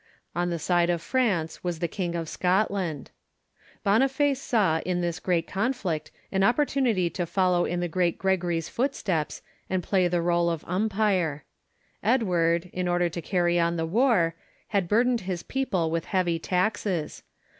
On the side of France was the King of Scotland. Boniface saw in this great conflict an op portunity to follow in the great Gregory's footsteps, and pla} the role of umpire. Edward, in order to carry on the war, had burdened his people with heavy taxes.